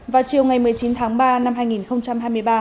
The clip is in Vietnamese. vào chiều ngày một mươi chín tháng ba năm hai nghìn hai mươi ba